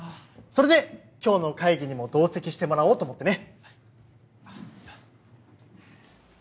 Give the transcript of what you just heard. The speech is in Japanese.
それで今日の会議にも同席してもらおうと思ってね。